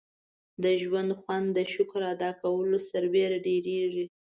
• د ژوند خوند د شکر ادا کولو سره ډېرېږي.